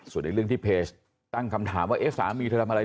ส่วนในเรื่องที่เพจตั้งคำถามว่าเอ๊ะสามีเธอทำอะไร